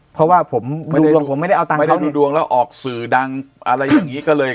เพราะว่าผมดูดวงผมไม่ได้เอาตังค์ไม่ได้ดูดวงแล้วออกสื่อดังอะไรอย่างนี้ก็เลย